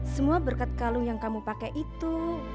semua berkat kalung yang kamu pakai itu